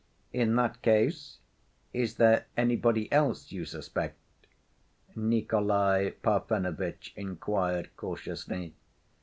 "In that case is there anybody else you suspect?" Nikolay Parfenovitch inquired cautiously.